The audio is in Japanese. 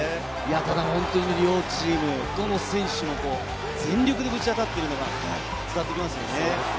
ただ本当に両チーム、どの選手も全力でぶち当たっているのが伝わってきますよね。